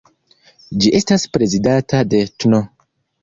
Ĝi estas prezidata de tn.